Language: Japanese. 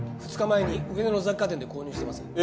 ２日前に上野の雑貨店で購入してます。